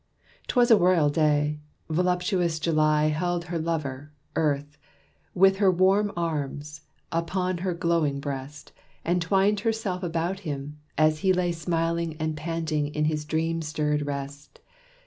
'T was a royal day: Voluptuous July held her lover, Earth, With her warm arms, upon her glowing breast, And twined herself about him, as he lay Smiling and panting in his dream stirred rest.